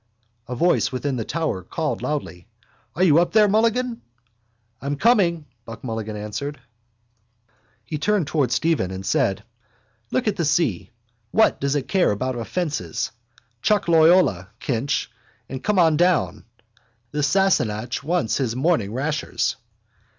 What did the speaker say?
A voice within the tower called loudly: —Are you up there, Mulligan? —I'm coming, Buck Mulligan answered. He turned towards Stephen and said: —Look at the sea. What does it care about offences? Chuck Loyola, Kinch, and come on down. The Sassenach wants his morning rashers.